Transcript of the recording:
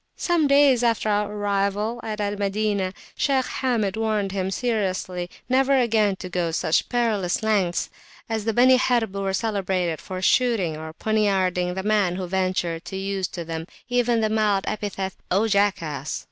Some days after our arrival at Al Madinah, Shaykh Hamid warned him seriously never again to go such perilous lengths, as the Beni Harb were celebrated for shooting or poniarding the man who ventured to use to them even the mild epithet "O jackass!"